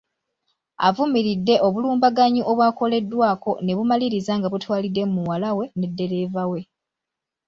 Avumiridde obulumbaganyi obwakoleddwako ne bumaliriza nga butwaliddemu muwala we ne ddereeva we.